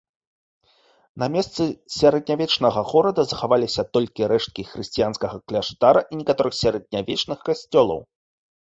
На месцы сярэднявечнага горада захаваліся толькі рэшткі хрысціянскага кляштара і некаторых сярэднявечных касцёлаў.